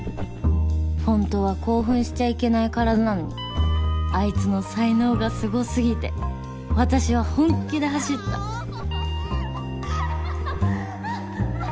本当は興奮しちゃいけない身体なのにアイツの才能が凄すぎて私は本気で走ったハハハハッ！